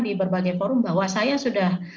di berbagai forum bahwa saya sudah